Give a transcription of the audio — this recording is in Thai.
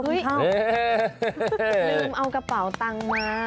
ลืมเอากระเป๋าตังค์มา